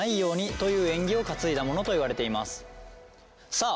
さあ